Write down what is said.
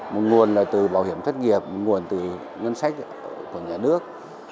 một nguồn là từ bảo hiểm thất nghiệp một nguồn là từ ngân sách của nhà nước